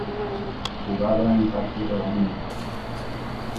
Jugado en partido único.